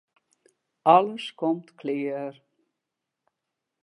Alles komt klear.